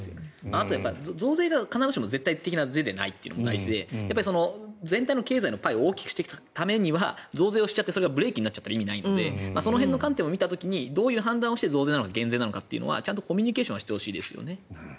あとは増税が必ずしも絶対的な是でないというのが大事で全体の経済のパイを大きくしていくためには増税をしちゃってそれがブレーキになると意味ないのでそういう観点からも増税なのか減税なのかというのはちゃんとコミュニケーションしてほしいですよね。